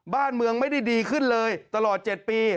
บ้านเมืองไม่ได้ดีขึ้นเลยตลอด๗ปี